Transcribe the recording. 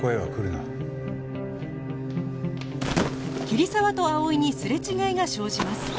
桐沢と葵にすれ違いが生じます